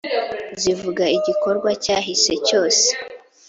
zivuga igikorwa cyahise cyose